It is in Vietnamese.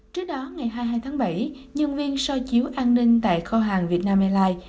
trước đó ngày hai mươi hai tháng bảy nhân viên so chiếu an ninh tại kho hàng vietnam airlines